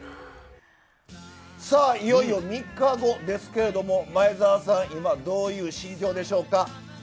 さあ、いよいよ３日後ですけれども、前澤さん、今、どういう心境でしょうか。